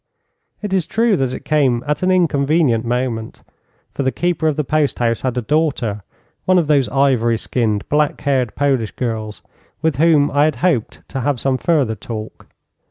It is true that it came at an inconvenient moment, for the keeper of the post house had a daughter one of those ivory skinned, black haired Polish girls with whom I had hoped to have some further talk.